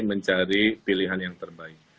mencari pilihan yang terbaik